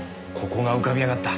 ここが浮かび上がった。